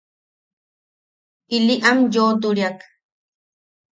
Ili am yoʼoturiak.